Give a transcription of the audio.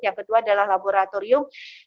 yang kedua adalah laboratorium